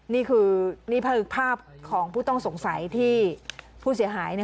นี่คือนี่คือภาพของผู้ต้องสงสัยที่ผู้เสียหาย